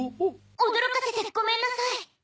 おどろかせてごめんなさい。